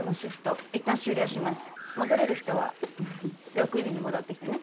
戻れる人はフフフ６時に戻ってきてね。